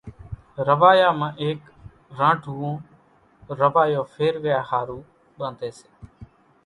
روايا مان ايڪ رانڍوون روايو ڦيرِوِيا ۿارُو ٻانڌيَ سي۔